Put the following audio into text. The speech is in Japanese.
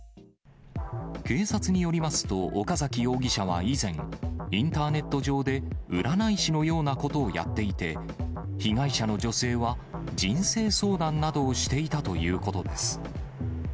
警察によりますと、岡崎容疑者は以前、インターネット上で占い師のようなことをやっていて、被害者の女性は、人生相談などをしていたということです。